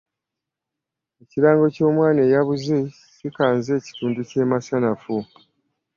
Ekirango ky'omwana eyabuze, kikanze ekitundu kye masanafu.